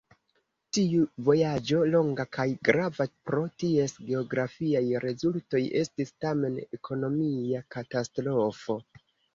Tiu vojaĝo, longa kaj grava pro ties geografiaj rezultoj, estis tamen ekonomia katastrofo.